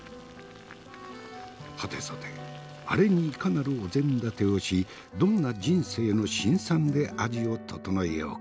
はてさてアレにいかなるお膳立てをしどんな人生の辛酸で味を調えようか。